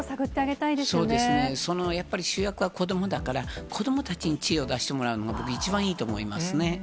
そうですね、やっぱり主役は子どもだから、子どもたちに知恵を出してもらうのが僕、一番いいと思いますね。